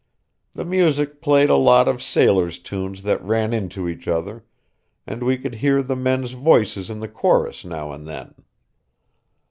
The music played a lot of sailors' tunes that ran into each other, and we could hear the men's voices in the chorus now and then.